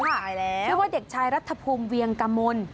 หายแล้วชื่อว่าเด็กชายรัฐธพรุมเวียงกามน